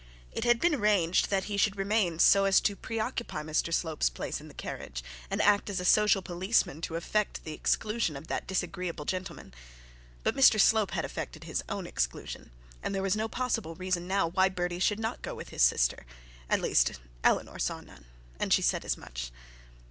It had been arranged that he should remain so as to preoccupy Mr Slope's place in the carriage, and act as a social policeman to effect the exclusion of that disagreeable gentleman. But Mr Slope had effected his own exclusion, and there as no possible reason now why Bertie should not go with his sister. At least Eleanor saw none, and she said so much.